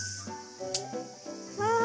わあ。